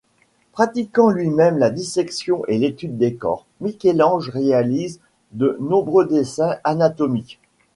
Pratiquant lui-même la dissection et l'étude des corps, Michel-Ange réalise de nombreux dessins anatomiques.